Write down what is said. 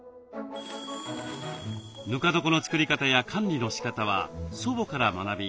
ぬか床の作り方や管理のしかたは祖母から学び